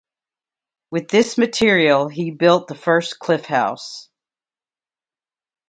With this material he built the first Cliff House.